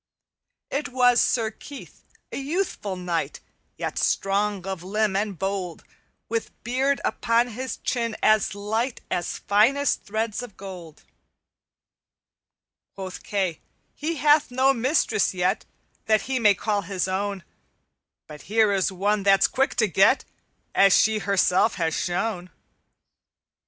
"It was Sir Keith, a youthful knight, Yet strong of limb and bold, With beard upon his chin as light As finest threads of gold. "Quoth Kay, 'He hath no mistress yet That he may call his own, But here is one that's quick to get, As she herself has shown.'